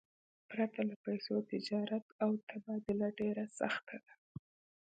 پرته له پیسو، تجارت او تبادله ډېره سخته ده.